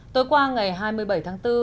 tối qua ngày hai mươi bảy tháng bốn